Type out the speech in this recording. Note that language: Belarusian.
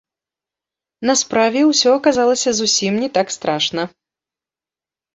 На справе ўсё аказалася зусім не так страшна.